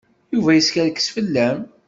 Yuba yeskerkes fell-am.